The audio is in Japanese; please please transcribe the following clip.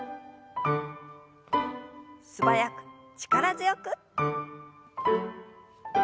素早く力強く。